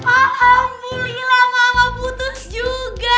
alhamdulillah mama putus juga